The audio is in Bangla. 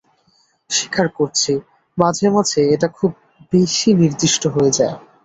স্বীকার করছি, মাঝে মাঝে এটা খুব বেশি নির্দিষ্ট হয়ে যায়।